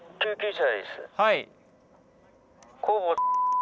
はい。